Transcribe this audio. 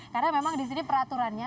karena memang di sini peraturannya